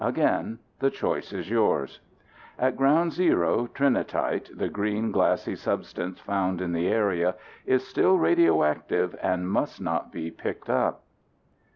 Again, the choice is yours. At ground zero, Trinitite, the green, glassy substance found in the area, is still radioactive and must not be picked up.